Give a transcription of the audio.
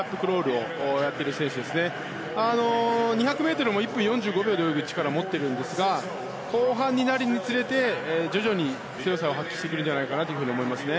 ２００ｍを１分４５秒で泳ぐ力を持っているんですが後半になるにつれて徐々に強さを発揮してくるんじゃないかと思います。